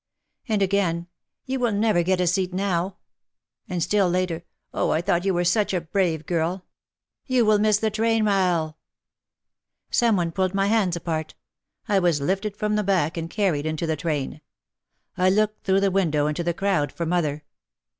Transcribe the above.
And again, "You will never get a seat now," and still later, "Oh, I thought you were such a brave girl" — "You will miss the train, Rahel!" Some one pulled my hands apart. I was lifted from the back and carried into the train. I looked through the window into the crowd for mother.